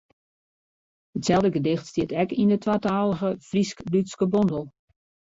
Itselde gedicht stiet ek yn de twatalige Frysk-Dútske bondel.